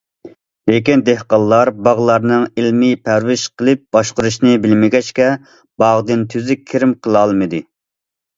لېكىن دېھقانلار باغلارنىڭ ئىلمىي پەرۋىش قىلىپ باشقۇرۇشنى بىلمىگەچكە، باغدىن تۈزۈك كىرىم قىلالمىدى.